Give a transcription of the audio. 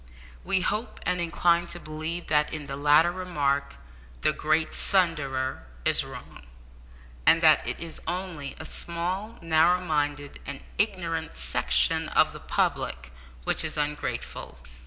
We hope and incline to believe that in the latter remark, the great Thunderer is wrong, and that it is only a small, narrow minded, and ignorant section of the public which is ungrateful.